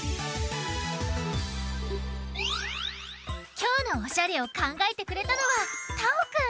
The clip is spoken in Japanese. きょうのオシャレをかんがえてくれたのはたおくん。